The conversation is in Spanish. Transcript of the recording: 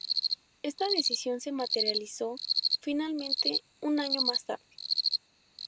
Esta decisión se materializó, finalmente, un año más tarde.